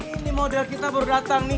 ini model kita baru datang nih